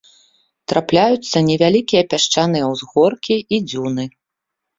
Трапляюцца невялікія пясчаныя ўзгоркі і дзюны.